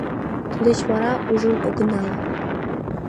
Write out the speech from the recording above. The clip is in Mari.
Тулеч вара ужын огынал.